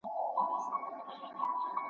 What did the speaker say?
یا دي شل کلونه اچوم زندان ته ,